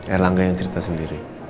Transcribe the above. erlangga yang cerita sendiri